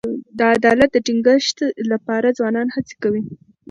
د عدالت د ټینګښت لپاره ځوانان هڅي کوي.